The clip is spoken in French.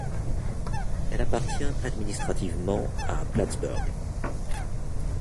Elle appartient administrativement à Plattsburgh.